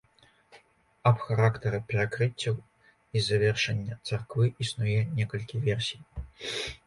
Аб характары перакрыццяў і завяршэння царквы існуе некалькі версій.